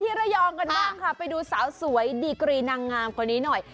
ระยองกันบ้างค่ะไปดูสาวสวยดีกรีนางงามคนนี้หน่อย